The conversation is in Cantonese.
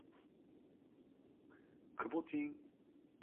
今晚打牌